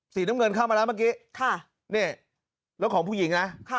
สีน้ำเงินเข้ามาแล้วเมื่อกี้นี่แล้วของผู้หญิงนะ